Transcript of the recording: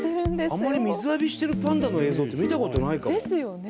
あんまり水浴びしてるパンダの映像って見たことないかも。ですよね。